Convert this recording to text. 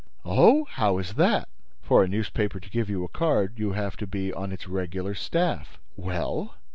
"Oh! How is that?" "For a newspaper to give you a card, you have to be on its regular staff." "Well?"